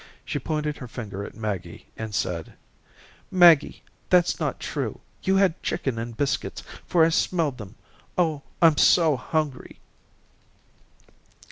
She pointed her finger at Maggie and said: "Maggie, that's not true. You had chicken and biscuits, for I smelled them. Oh, I'm so hungry."